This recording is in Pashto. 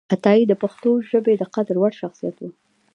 عطایي د پښتو ژبې د قدر وړ شخصیت و